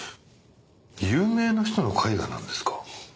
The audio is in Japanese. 有名な人の絵画なんですか？